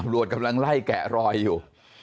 กำลังไล่แกะรอยอยู่